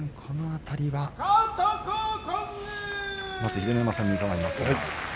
秀ノ山さんに伺います。